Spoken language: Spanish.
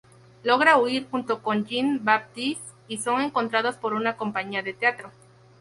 Logra huir junto con Jean-Baptiste y son encontrados por una compañía de teatro.